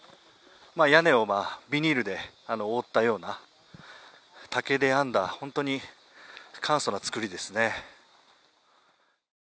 屋根をビニールで覆ったような竹で編んだ、本当に簡素な作りですね。